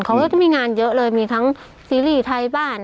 เขาก็จะมีงานเยอะเลยมีทั้งซีรีส์ไทยบ้าน